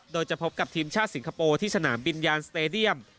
โดยจะพบกับทีมชาติสิงคโปร์ที่สนามบินยานสเตดียม